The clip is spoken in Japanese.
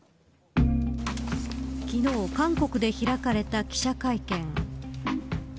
昨日韓国で開かれた記者会見。